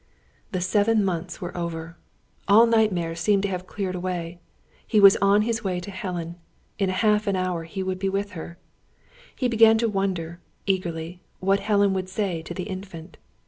The seven months were over. All nightmares seemed to have cleared away. He was on his way to Helen. In an hour and a half he would be with her! He began to wonder, eagerly, what Helen would say to the Infant.